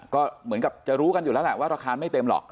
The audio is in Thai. ก็เหมือนกับจะรู้กันอยู่แล้วแหละว่าราคาไม่เต็มหรอก